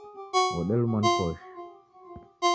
Wodelumwa ni koshi